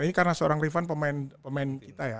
ini karena seorang rifan pemain pemain kita ya